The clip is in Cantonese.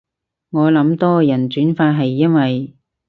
我諗多人轉發係因為